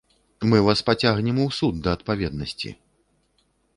Мы вас пацягнем у суд да адпаведнасці.